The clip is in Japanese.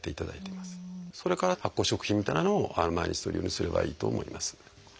それから発酵食品みたいなのを毎日とるようにすればいいと思います。